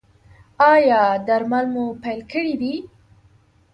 ایا درمل مو پیل کړي دي؟